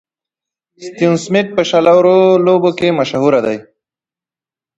ستيون سميټ په شل اورو لوبو کښي مشهوره ده.